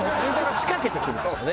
は仕掛けてくるからね。